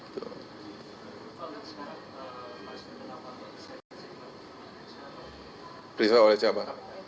periksa oleh siapa